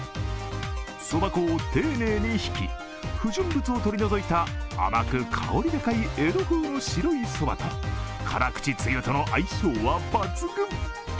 そば粉を丁寧にひき、不純物を取り除いた甘く香り高い江戸風の白いそばと辛口つゆとの相性は抜群。